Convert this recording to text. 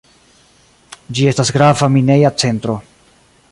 Ĝi estas grava mineja centro.